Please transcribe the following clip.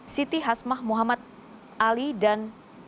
siti hasmah muhammad ali dan